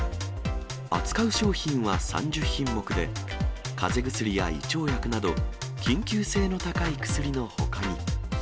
扱う商品は３０品目で、かぜ薬や胃腸薬など、緊急性の高い薬のほかに。